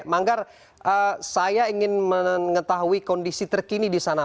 manggar saya ingin mengetahui kondisi terkini di sana